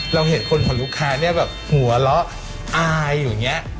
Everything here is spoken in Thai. เราเห็นคนของลูกค้าเนี่ยแบบหัวล้ออายอยู่เนี่ย